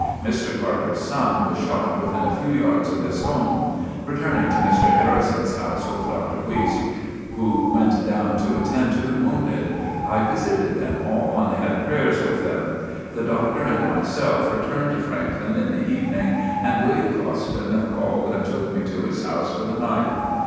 Mr. Carter's son was shot within a few yards of his home. Returning to Mr. Harrison's house with Dr. Buist, who went down to attend to the wounded, I visited them all and had prayers with them. The Doctor and myself returned to Franklin in the evening and William Clouston called and took me to his house for the night.